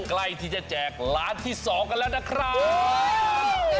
ใกล้ที่จะแจกร้านที่สองกันแล้วนะครับโอ้ยโอ้ยโอ้ย